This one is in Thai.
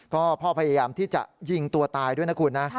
ก็พ่อพยายามที่จะยิงตัวตายด้วยนะคุณนะ